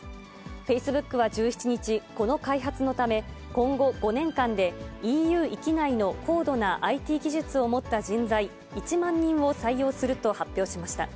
フェイスブックは１７日、この開発のため、今後５年間で、ＥＵ域内の高度なＩＴ技術を持った人材１万人を採用すると発表しました。